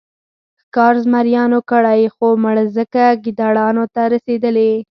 ښکار زمریانو کړی خو مړزکه ګیدړانو ته رسېدلې.